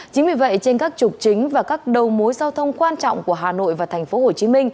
chính vì vậy trên các trục chính và các đầu mối giao thông quan trọng của hà nội và tp hcm